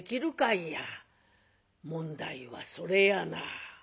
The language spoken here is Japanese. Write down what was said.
「問題はそれやなあ」。